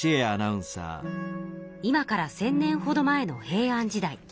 今から１，０００年ほど前の平安時代。